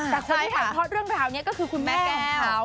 แต่คนที่ถ่ายทอดเรื่องราวนี้ก็คือคุณแม่แก้วเขา